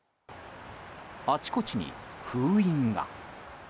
あちこちに封印が。